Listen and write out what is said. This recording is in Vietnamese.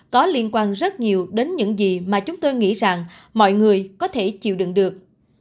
có liên quan rất nhiều đến những gì mà chúng tôi nghĩ rằng mọi người có thể chịu đựng được